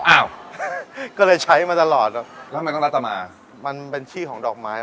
อ้าวก็เลยใช้มาตลอดแล้วทำไมต้องรัฐมามันเป็นชื่อของดอกไม้